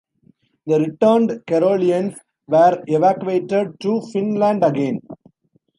The returned Karelians were evacuated to Finland again.